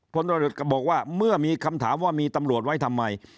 ก็บอกว่าเมื่อมีคำถามว่ามีตำรวจไว้ทำไม